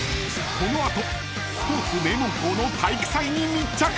［この後スポーツ名門校の体育祭に密着！］